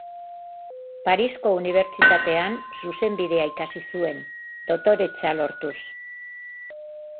Parisko Unibertsitatean zuzenbidea ikasi zuen, doktoretza lortuz.